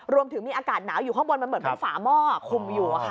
รวมถึงมีอากาศหนาวอยู่ข้างบนมันเหมือนเป็นฝาหม้อคุมอยู่